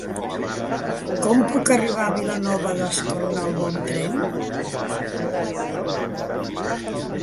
Com puc arribar a Vilanova d'Escornalbou amb tren?